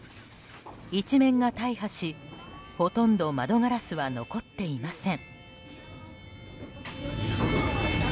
一面が大破し、ほとんど窓ガラスは残っていません。